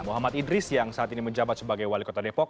muhammad idris yang saat ini menjabat sebagai wali kota depok